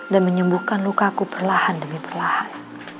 dan menyembuhkan lukaku perlahan demi perlahan